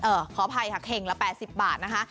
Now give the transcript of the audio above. ขออภัยค่ะเข่งละ๘๐บาทนะคะ